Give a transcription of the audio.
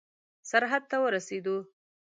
سرحد ته ورسېدو.